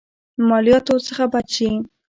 مالياتو څخه بچ شي.